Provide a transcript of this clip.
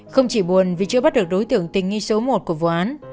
không chỉ buồn vì chưa bắt được đối tượng tình nghi số một của vụ án